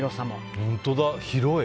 本当だ、広い。